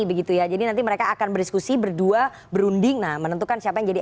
begitu ya jadi nanti mereka akan berdiskusi berdua berunding nah menentukan siapa yang jadi